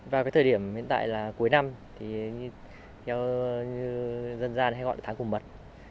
vào thời điểm cuối năm dân gian hay gọi là tháng cùng mật